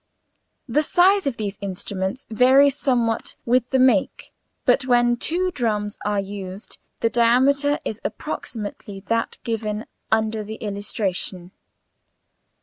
The size of these instruments varies somewhat with the make, but when two drums are used the diameter is approximately that given under the illustration.